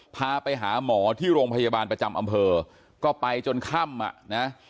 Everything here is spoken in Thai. พาไปหาหมอที่โรงพยาบาลประจำอำเภอก็ไปจนค่ำอ่ะนะ